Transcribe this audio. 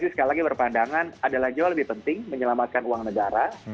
sekali lagi berpandangan adalah jauh lebih penting menyelamatkan uang negara